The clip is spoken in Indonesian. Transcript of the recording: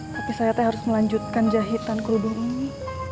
tapi saya tuh harus melanjutkan jahitan kru dulu ini